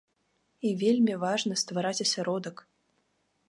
І вельмі важна ствараць асяродак.